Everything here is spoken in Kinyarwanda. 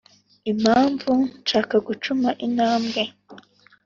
Impamvu nshaka gucuma intambwe